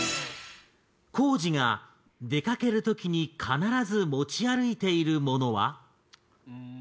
光司が出掛ける時に必ず持ち歩いているものは？